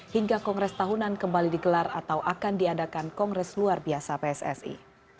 hingga kongres tahunan kembali digelar atau akan diadakan kongres luar biasa pssi